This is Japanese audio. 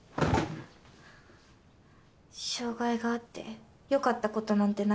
「障害があってよかったことなんてない」